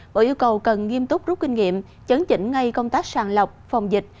nhiều cầu cần nghiêm túc rút kinh nghiệm chấn chỉnh ngay công tác sàn lọc phòng dịch